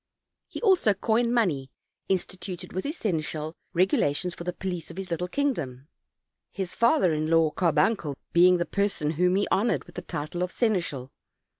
He also coined money, instituted with his seneschal regula tions for the police of his little kingdom; his father in law Carbuncle being the person whom he honored with the title of seneschal.